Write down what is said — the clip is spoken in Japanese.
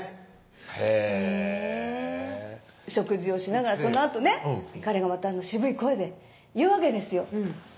へぇへぇ食事をしながらそのあとね彼がまたあの渋い声で言うわけですよ